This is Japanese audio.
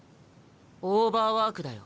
オーバーワークだよ。